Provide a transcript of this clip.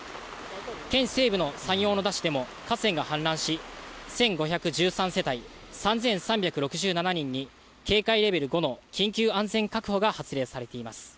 県西部の山陽小野田市でも河川が氾濫し、１５１３世帯３３６７人に警戒レベル５の緊急安全確保が発令されています。